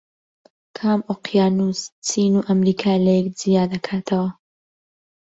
کام ئۆقیانوس چین و ئەمریکا لەیەک جیا دەکاتەوە؟